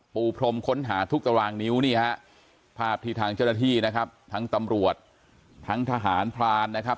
ปูพรมค้นหาทุกตารางนิ้วนี่ฮะภาพที่ทางเจ้าหน้าที่นะครับทั้งตำรวจทั้งทหารพรานนะครับ